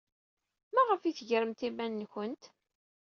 Maɣef ay tegremt iman-nwent?